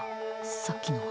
さっきのは。